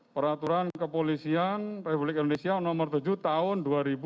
peraturan kepolisian republik indonesia nomor tujuh tahun dua ribu dua puluh